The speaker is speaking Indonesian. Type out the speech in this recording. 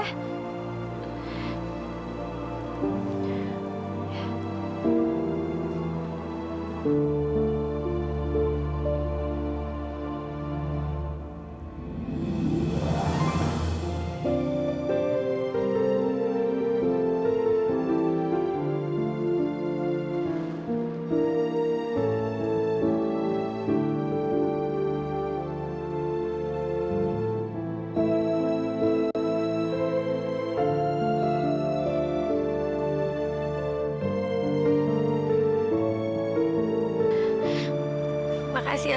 terima kasih ali